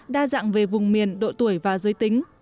đa dạng về vùng miền độ tuổi và giới tính